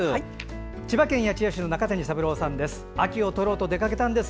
千葉県八千代市の中谷三郎さんです。